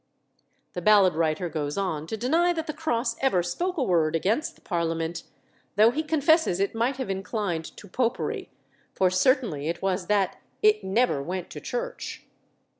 The ballad writer goes on to deny that the Cross ever spoke a word against the Parliament, though he confesses it might have inclined to Popery; for certain it was that it "never went to church."